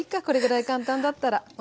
これぐらい簡単だったら。